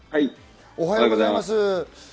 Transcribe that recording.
おはようございます。